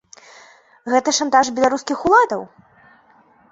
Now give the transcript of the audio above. Гэта шантаж беларускіх уладаў?